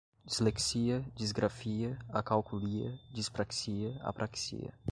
dislexia, disgrafia, acalculia, dispraxia, apraxia